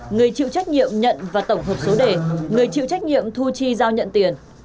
người chịu trách nhiệm nhận và tổng hợp số đề người chịu trách nhiệm thu chi giao nhận tiền